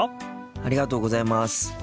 ありがとうございます。